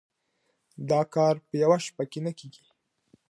دا کار په يوه شپه کي نه کيږي.